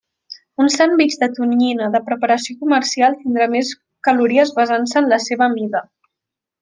Un sandvitx de tonyina de preparació comercial tindrà més calories basant-se en la seva mida.